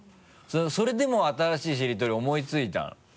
それでも新しいしりとり思いついたの？